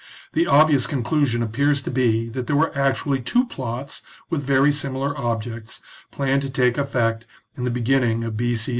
The obvious conclusion appears to be that there were actually two plots with very similar objects planned to take effect in the beginning of B.C.